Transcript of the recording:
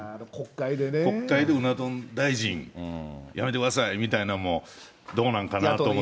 国会で、うな丼大臣、やめてくださいみたいなんもどうなんかなと思ったり。